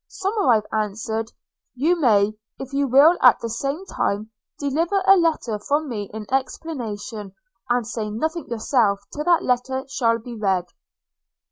– Somerive answered, 'You may, if you will at the same time deliver a letter from me in explanation, and say nothing yourself till that letter shall be read.'